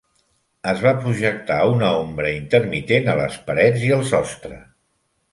Es va projectar una ombra intermitent a les parets i el sostre.